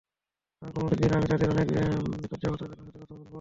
আমাকে অনুমতি দিন, আমি তাদের নিকট যাব, তাদের সাথে কথা বলব।